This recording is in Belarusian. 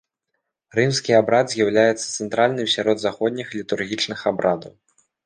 Рымскі абрад з'яўляецца цэнтральным сярод заходніх літургічных абрадаў.